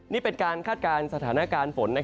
นี่เป็นการคาดการณ์สถานการณ์ฝน